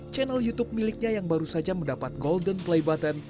channel youtube miliknya yang baru saja mendapat golden play button